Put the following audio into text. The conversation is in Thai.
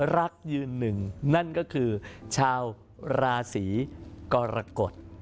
รักยืนหนึ่งนั่นก็คือชาวราศีกรกฎ